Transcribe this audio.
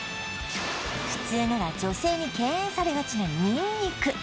普通なら女性に敬遠されがちなにんにく